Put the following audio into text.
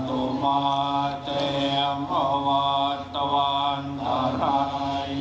ช่วยป้องกันอภิบาลท่านทั้งหลาย